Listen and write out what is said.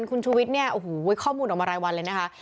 คุณชูวิทย์เนี่ยโอ้โหข้อมูลออกมารายวันเลยนะคะ